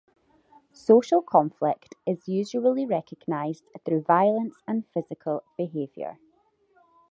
Social conflict is usually recognized through violence and physical behaviour.